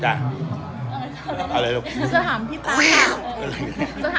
จะถามว่าพี่ตั๊กว่าเป็นแม่บ้านเป็นตัวหรือยังคะ